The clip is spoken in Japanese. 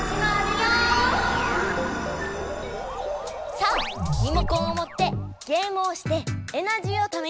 さあリモコンをもってゲームをしてエナジーをためよう！